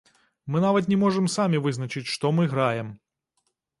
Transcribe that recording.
Мы нават не можам самі вызначыць, што мы граем.